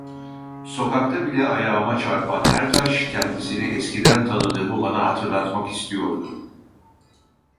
Sokakta bile ayağıma çarpan her taş kendisini eskiden tanıdığımı bana hatırlatmak istiyordu.